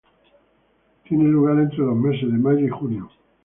Tiene lugar entre los meses de mayo y junio.